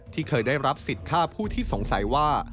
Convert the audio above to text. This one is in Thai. เคยได้รับสิทธิ์ฆ่าผู้ที่สงสัยว่า